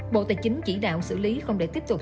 bộ tài chính chỉ đạo xử lý không để tiếp tục